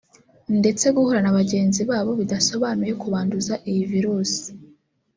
ndetse guhura na bagenzi babo bidasobanuye kubanduza iyi virusi